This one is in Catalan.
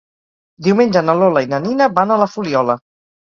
Diumenge na Lola i na Nina van a la Fuliola.